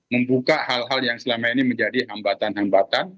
membuka hal hal yang selama ini menjadi hambatan hambatan